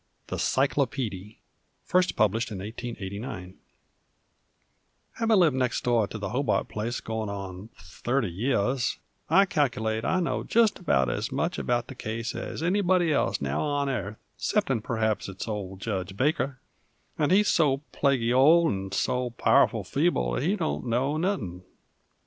+THE CYCLOPEEDY+ THE CYCLOPEEDY Havin' lived next door to the Hobart place f'r goin' on thirty years, I calc'late that I know jest about ez much about the case ez anybody else now on airth, exceptin' perhaps it's ol' Jedge Baker, and he's so plaguy old 'nd so powerful feeble that he don't know nothin'.